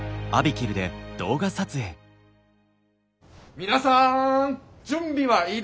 皆さん準備はいいですか？